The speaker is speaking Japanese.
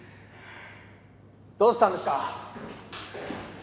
どうしたんですか？